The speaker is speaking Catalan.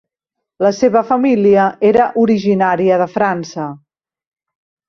La seva família era originària de França.